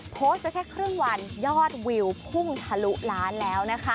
โพสต์ไปแค่ครึ่งวันยอดวิวพุ่งทะลุล้านแล้วนะคะ